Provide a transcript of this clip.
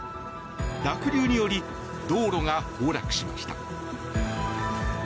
濁流により道路が崩落しました。